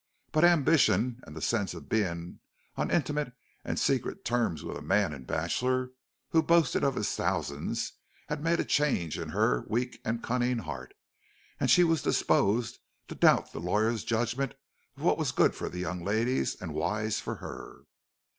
But ambition and the sense of being on intimate and secret terms with a man and bachelor who boasted of his thousands, had made a change in her weak and cunning heart, and she was disposed to doubt the lawyer's judgment of what was good for the young ladies and wise for her.